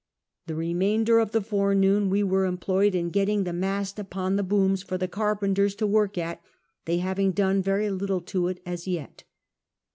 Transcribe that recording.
The remainder of the forenoon we were employed ill getting the nuist upon the booms for the carpenters to work at ; they having done very little to it as yet.